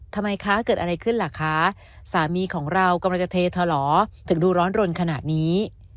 ทำไมคะเกิดอะไรขึ้นล่ะคะสามีของเรากำลังจะเทถะหลอถึงดูร้อนรนขนาดนี้